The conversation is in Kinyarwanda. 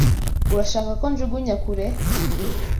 Urashaka ko njugunya kure?